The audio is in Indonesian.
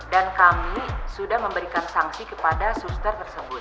dan kami sudah memberikan sanksi kepada suster tersebut